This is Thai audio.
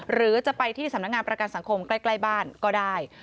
หรือจะไปที่สำนักงานประกันสังคมใกล้บ้านก็ได้